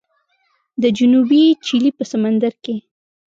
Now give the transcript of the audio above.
د جنوبي چیلي په سمندر کې